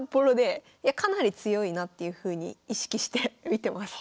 かなり強いなっていうふうに意識して見てます。